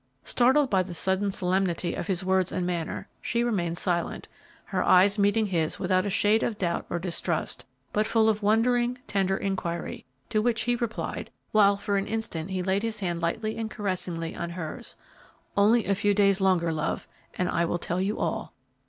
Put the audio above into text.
Startled at the sudden solemnity of his words and manner, she remained silent, her eyes meeting his without a shade of doubt or distrust, but full of wondering, tender inquiry, to which he replied, while for an instant he laid his hand lightly and caressingly on hers, "Only a few days longer, love, and I will tell you all!"